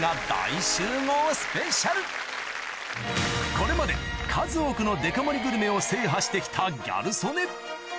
これまで数多くのデカ盛りグルメを制覇してきたギャル曽根